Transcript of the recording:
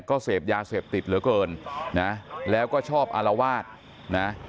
ก็เสพยาเสพติดเหลือเกินนะแล้วก็ชอบอารวาสนะ